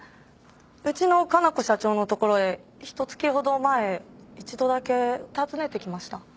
うちの香奈子社長のところへひと月ほど前一度だけ訪ねてきました。